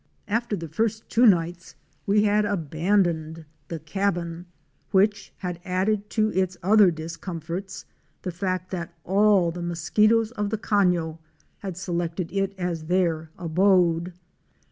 After the first two nights we had abandoned the cabin, which had added to its other discomforts the fact that all the mosquitoes of the cafio had selected it as their abode.